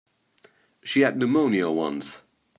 She had pneumonia once.